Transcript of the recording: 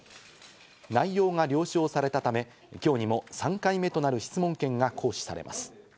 内容が了承されたため、今日にも３回目となる質問権が行使されます。